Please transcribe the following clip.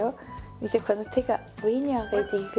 見てこの手が上に上げていくと。